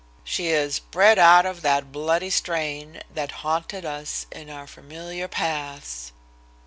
"She is "'Bred out of that bloody strain That haunted us in our familiar paths.'"